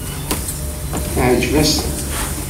Teɛjeb-asen.